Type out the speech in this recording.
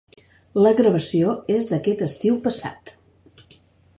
La gravació és d’aquest estiu passat.